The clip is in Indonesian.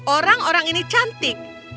orang orang ini cantik